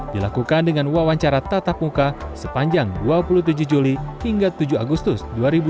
dilakukan dengan wawancara tatap muka sepanjang dua puluh tujuh juli hingga tujuh agustus dua ribu dua puluh